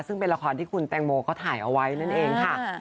ซึ่งเป็นละครที่คุณแตงโมเขาถ่ายเอาไว้นั่นเองค่ะ